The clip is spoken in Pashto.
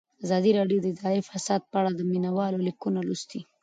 ازادي راډیو د اداري فساد په اړه د مینه والو لیکونه لوستي.